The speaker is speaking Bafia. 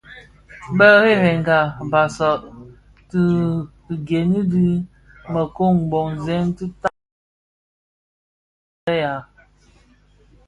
Bēghèrakèn basag tigèni dhi mekon mboňzèn dhitaa mlem a gib lè ag.